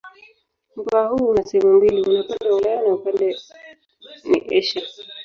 Mkoa huu una sehemu mbili: una upande wa Ulaya na upande ni Asia.